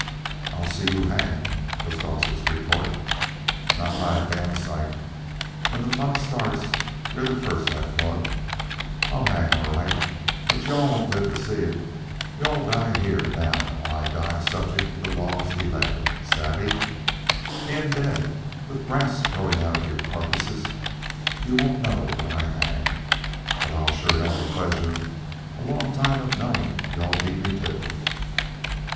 "I'll see you hanged," was Dowsett's retort. "Not by a damned sight. When the fun starts, you're the first I plug. I'll hang all right, but you all won't live to see it. You all die here and now while I'll die subject to the law's delay savvee? Being dead, with grass growing out of your carcasses, you won't know when I hang, but I'll sure have the pleasure a long time of knowing you all beat me to it."